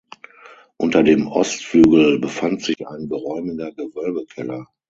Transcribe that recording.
Unter dem Ostflügel befand sich ein geräumiger Gewölbekeller.